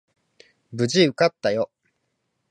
無事受かったよ。